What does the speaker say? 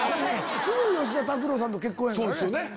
すぐに吉田拓郎さんと結婚やからね。